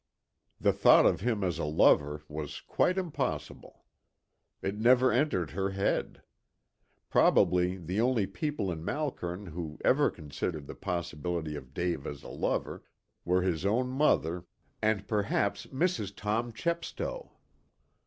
The thought of him as a lover was quite impossible. It never entered her head. Probably the only people in Malkern who ever considered the possibility of Dave as a lover were his own mother, and perhaps Mrs. Tom Chepstow.